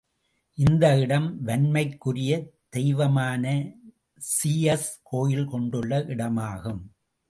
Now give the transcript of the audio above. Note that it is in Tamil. இந்த இடம் வன்மைக்குரிய தெய்வமான ஸீயஸ் கோயில் கொண்டுள்ள இடமாகும்.